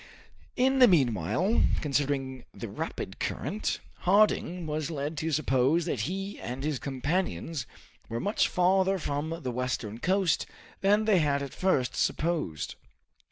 In the meanwhile, considering the rapid current, Harding was led to suppose that he and his companions were much farther from the western coast than they had at first supposed.